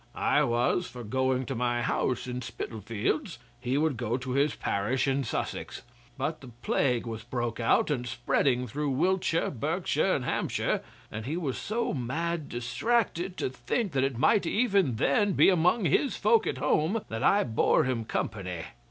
I was for going to my house in Spitalfields, he would go to his parish in Sussex; but the plague was broke out and spreading through Wiltshire, Berkshire, and Hampshire, and he was so mad distracted to think that it might even then be among his folk at home that I bore him company.